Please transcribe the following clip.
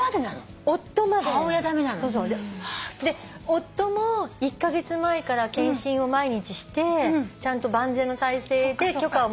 夫も１カ月前から検診を毎日してちゃんと万全の態勢で許可を。